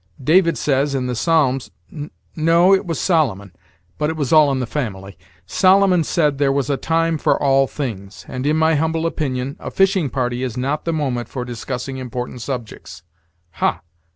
David says, in the Psalms no, it was Solomon, but it was all in the family Solomon said there was a time for all things; and, in my humble opinion, a fishing party is not the moment for discussing important subjects. Ha!